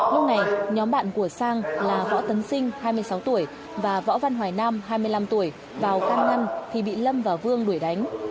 lúc này nhóm bạn của sang là võ tấn sinh hai mươi sáu tuổi và võ văn hoài nam hai mươi năm tuổi vào can ngăn thì bị lâm và vương đuổi đánh